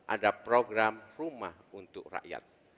ada program rumah untuk rakyat